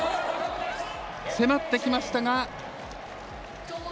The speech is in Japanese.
迫ってきましたが。